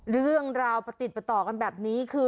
เรื่องราวประติดประต่อกันแบบนี้คือ